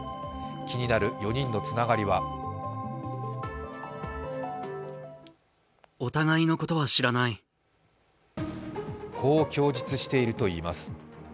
気になる４人のつながりはこう供述しているといいます。